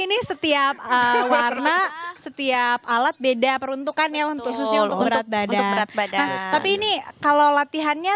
ini setiap warna setiap alat beda peruntukannya untuk susul berat badan tapi ini kalau latihannya